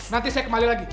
nanti saya kembali lagi